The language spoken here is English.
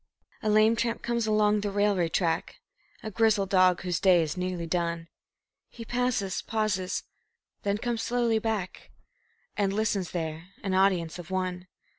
A lame tramp comes along the railway track, A grizzled dog whose day is nearly done; He passes, pauses, then comes slowly back And listens there an audience of one.